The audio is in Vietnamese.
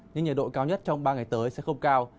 nhưng nhiệt độ cao nhất trong ba ngày tới sẽ không cao